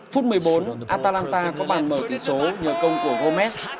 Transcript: phút một mươi bốn atalanta có bàn mở tỷ số nhờ công của gomez